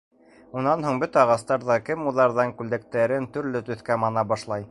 Унан һуң бөтә ағастар ҙа кем уҙарҙан күлдәктәрен төрлө төҫкә мана башлай.